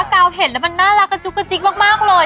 กาวเห็นแล้วมันน่ารักกระจุกกระจิ๊กมากเลย